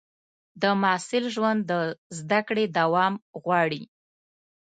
د محصل ژوند د زده کړې دوام غواړي.